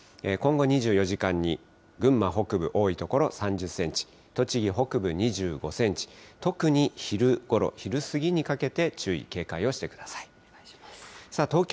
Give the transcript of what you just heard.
今後２４時間に群馬北部、多い所３０センチ、栃木北部２５センチ、特に昼ごろ、昼過ぎにかけて注意、警戒をしてください。